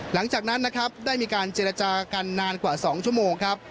หลังจากนั้นนะครับได้มีการเจรจากันนานกว่า๒ชั่วโมงครับ